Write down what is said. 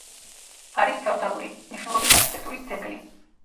არის ფედერალური მნიშვნელობის არქიტექტურის ძეგლი.